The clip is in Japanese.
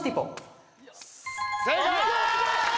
正解！